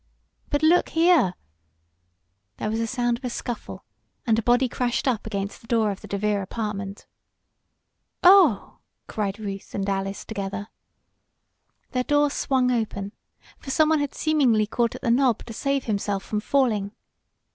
"But look here " There was a sound of a scuffle, and a body crashed up against the door of the DeVere apartment. "Oh!" cried Ruth and Alice together. Their door swung open, for someone had seemingly caught at the knob to save himself from falling.